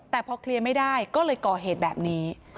แต่พอเคลียร์ไม่ได้ก็เลยก่อเหตุแบบนี้